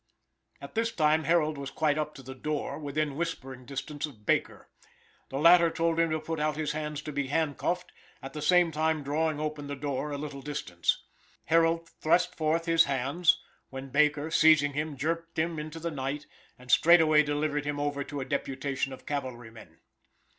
At this time Harold was quite up to the door, within whispering distance of Baker. The latter told him to put out his hands to be handcuffed, at the same time drawing open the door a little distance. Harold thrust forth his hands, when Baker, seizing him, jerked him into the night, and straightway delivered him over to a deputation of cavalrymen.